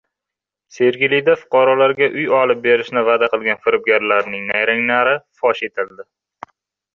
Sergelida fuqarolarga uy olib berishni va’da qilgan firibgarlarning nayranglari fosh etildi